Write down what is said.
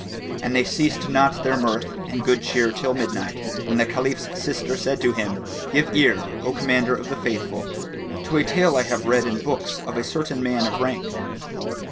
And they ceased not their mirth and good cheer till midnight, when the Caliph's sister said to him, "Give ear, O Commander of the Faithful to a tale I have read in books of a certain man of rank."